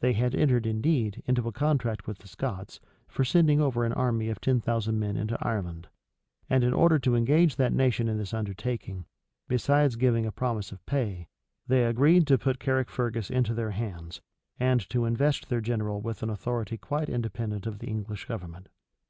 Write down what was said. They had entered, indeed, into a contract with the Scots, for sending over an army of ten thousand men into Ireland; and in order to engage that nation in this undertaking, besides giving a promise of pay, they agreed to put Caricfergus into their hands, and to invest their general with an authority quite independent of the English government.